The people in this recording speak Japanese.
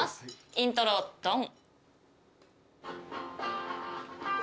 イントロドン。